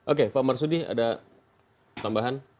oke pak marsudi ada tambahan